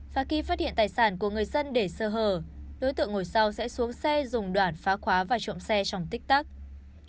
và khi phát hiện tài sản của người dân để sơ hở đối tượng ngồi sau sẽ xuống xe dùng đoạn phá khóa và trộm xe trong tích tắc